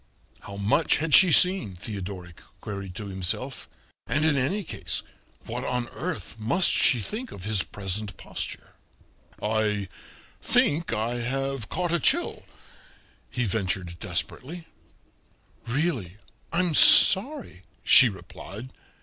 How much had she seen, Theodoric queried to himself; and in any case what on earth must she think of his present posture? "I think I have caught a chill," he ventured desperately. "Really, I'm sorry," she replied.